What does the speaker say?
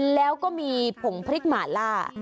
แล้วก็มีผงพริกหมาล่า